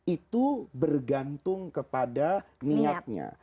itu bergantung kepada niatnya